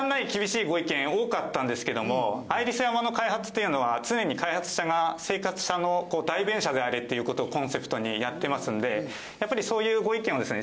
アイリスオーヤマの開発っていうのは常に「開発者が生活者の代弁者であれ」っていう事をコンセプトにやってますのでやっぱりそういうご意見をですね